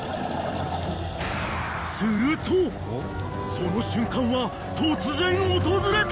［その瞬間は突然訪れた］